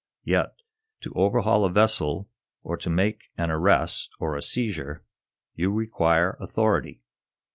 Yet, to overhaul a vessel, or to make an arrest or a seizure, you require authority.